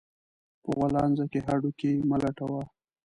په غولانځه کې هډو کى مه لټوه